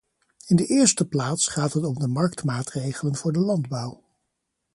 In de eerste plaats gaat het om de marktmaatregelen voor de landbouw.